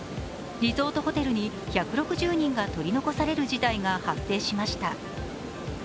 リゾートホテルに１６０人が取り残される事態が発生しました。